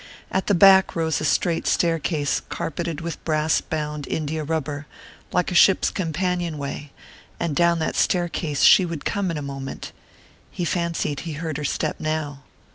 At the back rose a straight staircase carpeted with brass bound India rubber, like a ship's companion way; and down that staircase she would come in a moment he fancied he heard her step now....